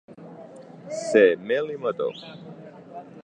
Ser mel i mató.